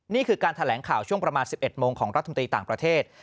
นี่คือการแถลงข่าวช่วงประมาณ๑๑โมงของรัฐมนตรีต่างประเทศ